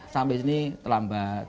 sampai sini terlambat